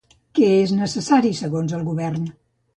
Què és necessari segons el govern?